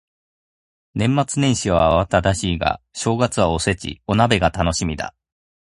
年末年始は慌ただしいが、お正月はおせち、お鍋が楽しみだ。